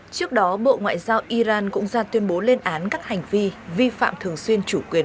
trước đó bộ ngoại giao iran cũng ra tuyên bố lên án các hành vi vi phạm thường xuyên chủ quyền